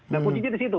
nah pun juga di situ